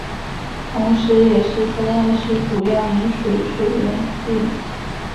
同时也是三亚市主要饮用水水源地。